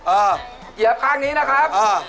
เหยียบข้างนี้นะครับ